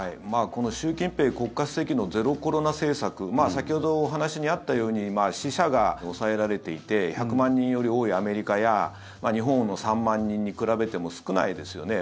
この習近平国家主席のゼロコロナ政策先ほどお話にあったように死者が抑えられていて１００万人より多いアメリカや日本の３万人に比べても少ないですよね。